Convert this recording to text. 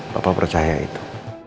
papa percaya itu